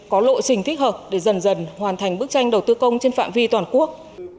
có lộ trình thích hợp để dần dần hoàn thành bức tranh đầu tư công trên phạm vi toàn quốc